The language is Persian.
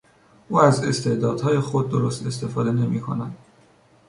او از استعدادهای خود درست استفاده نمیکند.